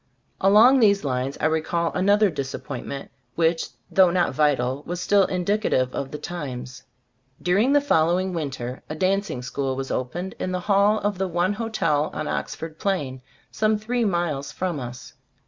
Along these lines I recall another disappointment, which, though not vi tal, was still indicative of the times. During the following winter a danc ing school was opened in the hall of Cbe Stons of As Cbtlfcboofc 65 the one hotel on Oxford Plain, some three miles from us.